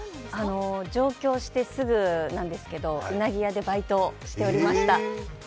上京してすぐなんですけど、うなぎ屋でバイトしてました。